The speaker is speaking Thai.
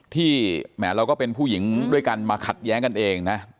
แหมเราก็เป็นผู้หญิงด้วยกันมาขัดแย้งกันเองนะ